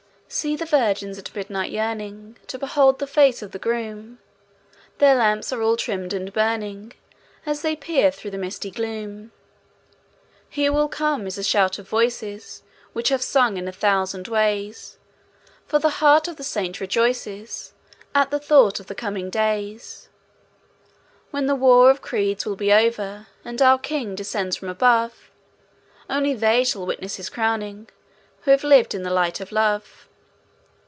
See the virgins at midnight yearning, To behold the face of the Groom. Their lamps are all trimmed and burning, As they peer through the misty gloom. "He will come," is the shout of voices, Which have sung in a thousand ways; For the heart of the saint rejoices, At the thought of the coming days. When the war of creeds will be over, And our King descends from above, Only they shall witness His crowning, Who have lived in the light of love.